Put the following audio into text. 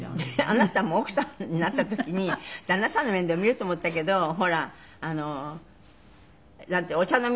あなたも奥さんになった時に旦那さんの面倒を見ようと思ったけどほらなんていうの？